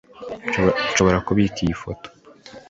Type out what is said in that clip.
Nshobora kubika iyi foto